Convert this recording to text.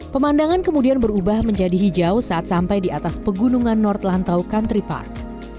pemandangan kemudian berubah menjadi hijau saat sampai di atas pegunungan nortlantau country park